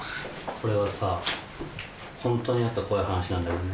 これはさホントにあった怖い話なんだけどね。